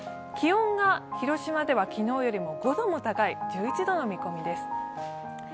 気温が広島では昨日より５度も高い１１度の見込みです。